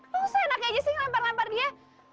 lo kok seenak aja sih ngelempar lempar dia